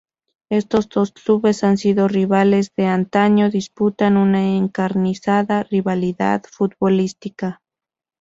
Estos dos clubes han sido rivales de antaño, disputan una encarnizada rivalidad futbolística.